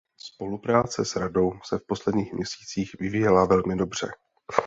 Spolupráce s Radou se v posledních měsících vyvíjela velmi dobře.